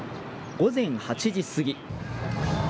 午前８時過ぎ。